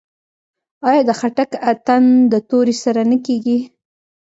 آیا د خټک اتن د تورې سره نه کیږي؟